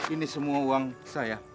ini semua uang saya